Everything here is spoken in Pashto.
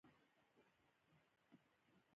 هغه د دې ښځې په ځواب کې ناره وکړه.